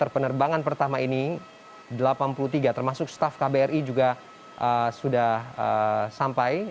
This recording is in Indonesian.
penerbangan pertama ini delapan puluh tiga termasuk staff kbri juga sudah sampai